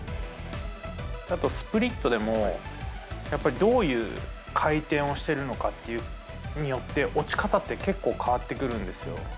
あとスプリットでも、やっぱりどういう回転をしてるのかによって、落ち方って結構変わってくるんですよ。